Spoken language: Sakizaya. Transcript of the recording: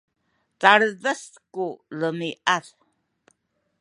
caledes ku demiad